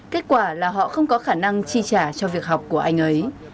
kết quả là họ không có khả năng chi trả cho việc học của anh ấy